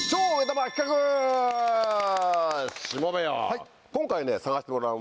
はい。